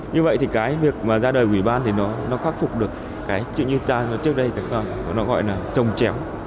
như vậy thì cái việc mà ra đời ủy ban thì nó khắc phục được cái chuyện như ta trước đây nó gọi là trồng chém